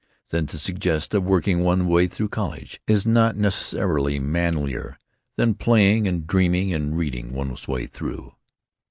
than to suggest that working one's way through college is not necessarily manlier than playing and dreaming and reading one's way through.